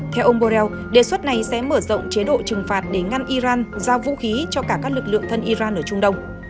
theo ông borrell đề xuất này sẽ mở rộng chế độ trừng phạt để ngăn iran giao vũ khí cho cả các lực lượng thân iran ở trung đông